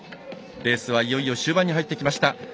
レースは、いよいよ終盤に入ってきました。